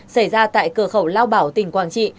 xảy ra tại cửa khẩu lao bảo tỉnh quảng trị